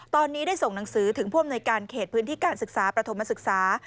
ตอนนี้ได้ส่งหนังสือถึงพวงนวยการขยดพื้นที่การประธมศึกษา